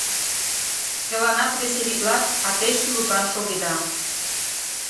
— Чыланат веселитлат, а те шӱлыкан шогеда.